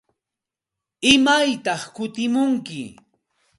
¿Imaytaq kutimunki?